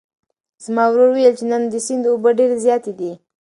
زما ورور وویل چې نن د سیند اوبه ډېرې زیاتې دي.